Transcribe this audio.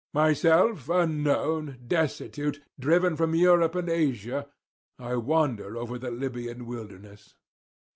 Myself unknown, destitute, driven from Europe and Asia, I wander over the Libyan wilderness.'